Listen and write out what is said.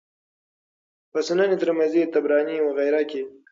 په سنن ترمذي، طبراني وغيره کي